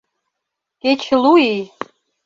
— Кеч лу ий!